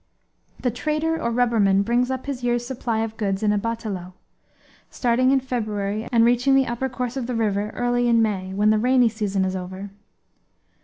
The trader or rubberman brings up his year's supply of goods in a batelao, starting in February and reaching the upper course of the river early in May, when the rainy season is over.